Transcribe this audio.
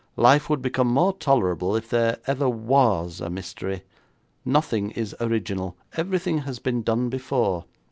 Life would become more tolerable if there ever was a mystery. Nothing is original. Everything has been done before.